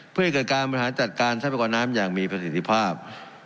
เพื่อให้เกิดการบริหารจัดการทรัพยากรน้ำอย่างมีประสิทธิภาพ